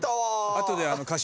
あとで。